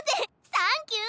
サンキュー！